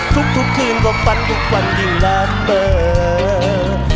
ทุกขึงฝันทุกวันอยู่แล้วเบอร์